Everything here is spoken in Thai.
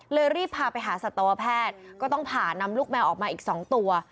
รีบพาไปหาสัตวแพทย์ก็ต้องผ่านำลูกแมวออกมาอีก๒ตัว